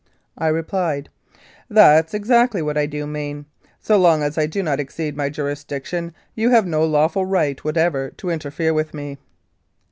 I replied, "That's exactly what I do mean. So long as I do not exceed my jurisdiction, you have no lawful right whatever to interfere with me."